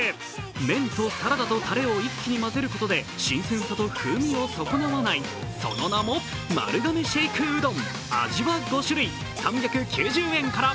麺とサラダとたれを一気に混ぜることで新鮮さと風味を損なわない、その名も、丸亀シェイクうどん味は５種類、３９０円から。